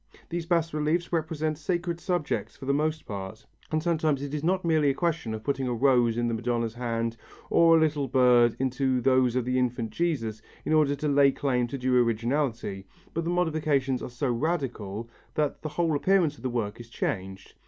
These bas reliefs represent sacred subjects for the most part, and sometimes it is not merely a question of putting a rose in the Madonna's hand or a little bird into those of the Infant Jesus, in order to lay claim to due originality, but the modifications are so radical that the whole appearance of the work is changed.